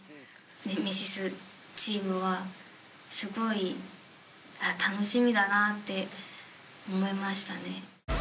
ネメシスチームはすごい楽しみだなって思いましたね。